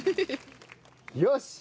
よし。